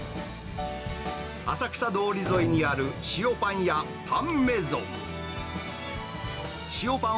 浅草通り沿いにある塩パン屋パン・メゾン。